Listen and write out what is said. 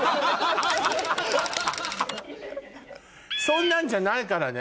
そんなんじゃないからね。